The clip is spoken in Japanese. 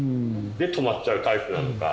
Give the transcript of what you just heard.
で止まっちゃうタイプなのか。